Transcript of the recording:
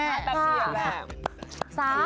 แบบเทียบแบบ